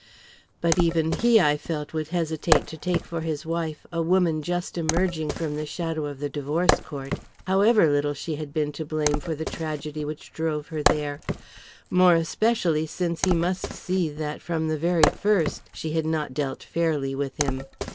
But even he, I felt, would hesitate to take for his wife a woman just emerging from the shadow of the divorce court, however little she had been to blame for the tragedy which drove her there more especially since he must see that from the very first she had not dealt fairly with him.